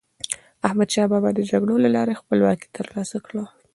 احمدشاه بابا د جګړو له لارې خپلواکي تر لاسه کړه.